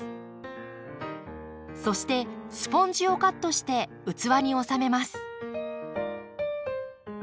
そしてスポンジをカットして器に収めます。